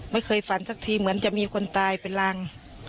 ไม่เคยฝันสักทีเหมือนจะมีคนตายเป็นรัง